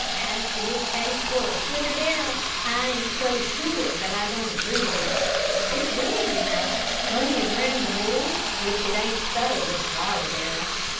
As to his taste for a sugar barrel, I ain't so sure that I don't agree with 'im. It's big, you know plenty of room to move, w'ich it ain't so with a flour barrel.